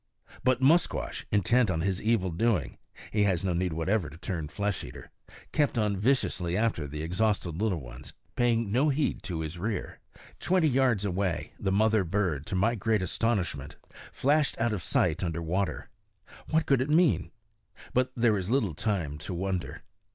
But Musquash, intent on his evil doing (he has no need whatever to turn flesh eater), kept on viciously after the exhausted little ones, paying no heed to his rear. Twenty yards away the mother bird, to my great astonishment, flashed out of sight under water. What could it mean! But there was little time to wonder.